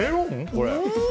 これ。